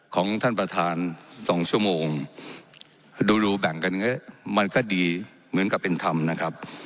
ของท่านประธานสองชั่วโมงดูแบ่งกันมันก็ดีเหมือนกับเป็นธรรมนะครับ